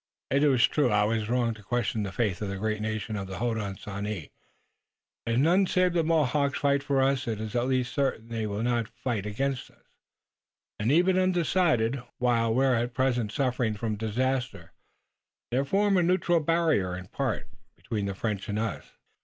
"It is true. I was wrong to question the faith of the great nations of the Hodenosaunee. If none save the Mohawks fight for us it is at least certain that they will not fight against us, and even undecided, while we're at present suffering from disaster, they'll form a neutral barrier, in part, between the French and us.